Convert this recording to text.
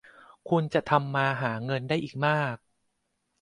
คุณจะทำมาหาเงินได้อีกมาก